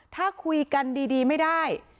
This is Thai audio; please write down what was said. ถ้าคุยกันดีไม่ได้